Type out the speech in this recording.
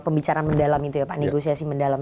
pembicaraan mendalam itu ya pak negosiasi mendalam